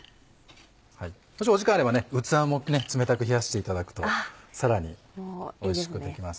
もしお時間あれば器も冷たく冷やしていただくとさらにおいしくできます。